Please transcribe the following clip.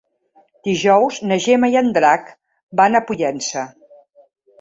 Dijous na Gemma i en Drac van a Pollença.